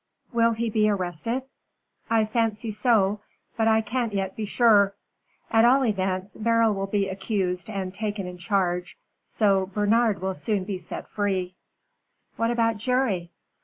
"Will he be arrested?" "I fancy so. But I can't yet be sure. At all events, Beryl will be accused and taken in charge, so Bernard will soon be set free." "What about Jerry?"